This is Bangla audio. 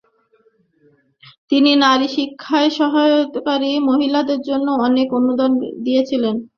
তিনি নারী শিক্ষায় সহায়তাকারী মহিলাদের জন্য অনেক অনুদান দিয়েছেন।